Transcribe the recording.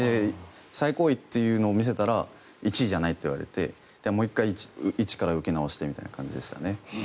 最高位というのを見せたら１位じゃないといわれてもう１回、一から受け直してみたいな感じでしたね。